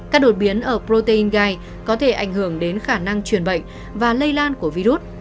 các đột biến ở protein gai có thể ảnh hưởng đến khả năng truyền bệnh và lây lan của virus